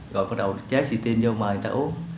rồi bắt đầu chế xị tin vô mời người ta uống